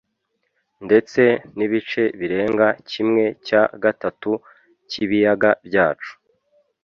ndetse n’ibice birenga kimwe cya gatatu cy’ibiyaga byacu